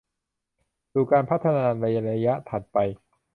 สู่การพัฒนาในระยะถัดไป